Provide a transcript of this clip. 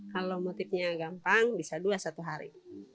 kalau motifnya gampang bisa dua satu hari